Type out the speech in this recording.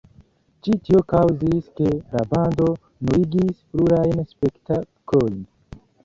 Ĉi tio kaŭzis ke la bando nuligis plurajn spektaklojn.